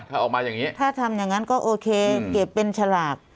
ถ้าออกมาอย่างนี้ถ้าทำอย่างนั้นก็โอเคเก็บเป็นฉลาก